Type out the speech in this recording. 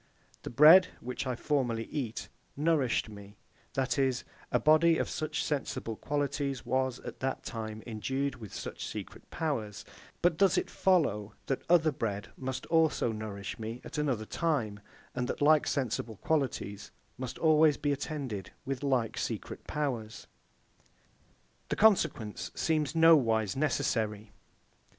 The bread, which I formerly eat, nourished me; that is, a body of such sensible qualities was, at that time, endued with such secret powers: but does it follow, that other bread must also nourish me at another time, and that like sensible qualities must always be attended with like secret powers? The consequence seems nowise necessary.